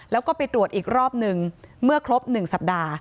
แล้วก็ไปตรวจอีกรอบนึงเมื่อครบ๑สัปดาห์